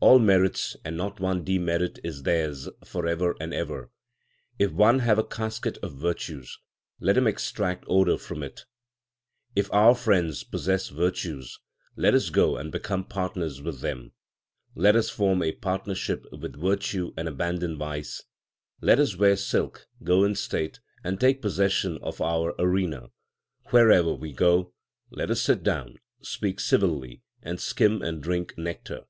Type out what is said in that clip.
All merits and not one demerit is theirs for ever and ever. If one have a casket of virtues, let him extract odour from it. If our friends possess virtues, let us go and become partners with them. Let us form a partnership with virtue and abandon vice. Let us wear silk, go in state, and take possession of our arena. 2 Wherever we go, let us sit down, speak civilly, and skim and drink nectar.